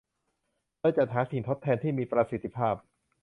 โดยจัดหาสิ่งทดแทนที่มีประสิทธิภาพ